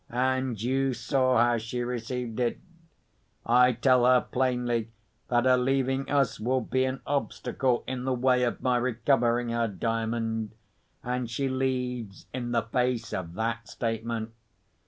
"And you saw how she received it? I tell her plainly that her leaving us will be an obstacle in the way of my recovering her Diamond—and she leaves, in the face of that statement!